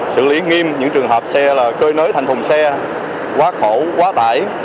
xử lý nghiêm những trường hợp xe là cơi nới thành thùng xe quá khổ quá tải